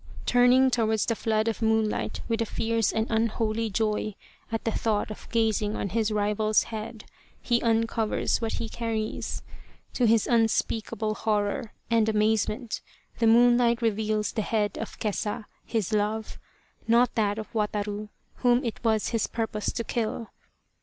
Turning towards the flood of moonlight with a fierce and unholy joy at the thought of gazing on his rival's head, he uncovers what he carries. To his unspeak able horror and amazement the moonlight reveals the head of Kesa his love not that of Wataru, whom it was his purpose to kill.